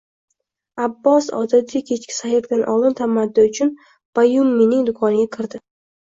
Abbos odatiy kechki sayrdan oldin tamaddi uchun Bayyumining do`koniga kirdi